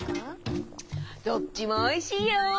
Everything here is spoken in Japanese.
どっちもおいしいよ！